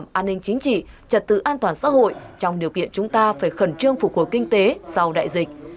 đảm bảo an ninh chính trị trật tự an toàn xã hội trong điều kiện chúng ta phải khẩn trương phục hồi kinh tế sau đại dịch